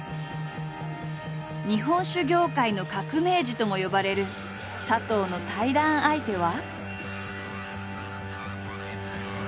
日本酒業界の革命児とも呼ばれる佐藤の対談相手は。